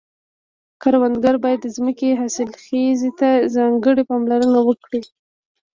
کروندګر باید د ځمکې حاصلخیزي ته ځانګړې پاملرنه وکړي.